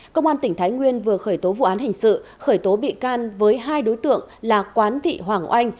công an tỉnh thái nguyên vừa khởi tố vụ án hình sự khởi tố bị can với hai đối tượng là quán thị hoàng oanh